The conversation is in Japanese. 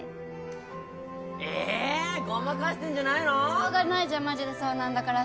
しょうがないじゃんマジでそうなんだからさ。